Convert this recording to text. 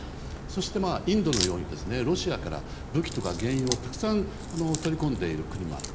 そして、インドのようにロシアから武器とか原油をたくさん取り込んでいる国もいる。